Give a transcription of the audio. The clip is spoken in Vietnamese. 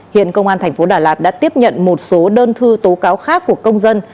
hiện công an tp đà lạt đã tiếp nhận một số đơn thư tố cáo khác của công dân